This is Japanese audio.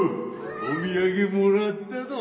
お土産もらったど！